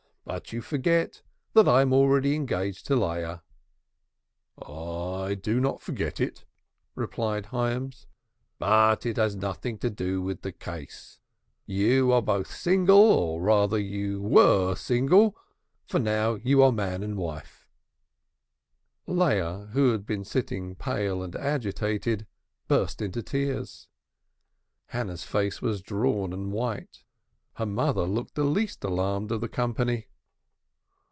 "But you forget that I am already engaged to Leah." "I do not forget it," replied Hyams, "but it has nothing to do with the case. You are both single, or rather you were both single, for now you are man and wife." Leah, who had been sitting pale and agitated, burst into tears. Hannah's face was drawn and white. Her mother looked the least alarmed of the company.